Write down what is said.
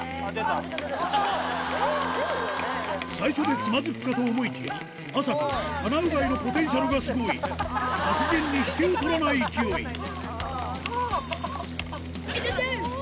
最初でつまずくかと思いきやあさこ鼻うがいのポテンシャルがスゴい達人に引けを取らない勢いあぁ！